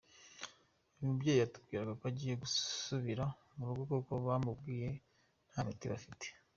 Uyu mubyeyi yatubwiraga ko agiye gusubira murugo kuko bamubwiye nta miti bafite.